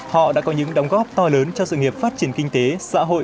họ đã có những đóng góp to lớn cho sự nghiệp phát triển kinh tế xã hội